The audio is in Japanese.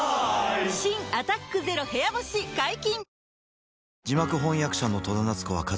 新「アタックＺＥＲＯ部屋干し」解禁‼